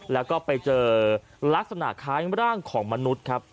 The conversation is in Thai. แล้วก็ไปเจอลักษณะคล้ายร่างของมนุษย์ครับ